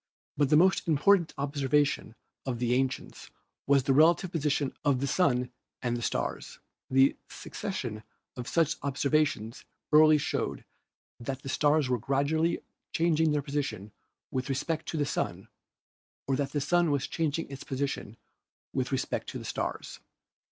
But the most important observation of the ancients was the relative position of the Sun and the stars. A succession of such observations early showed that the stars were gradually changing their position with respect to the Sun or that the Sun was changing its posi tion with respect to the stars.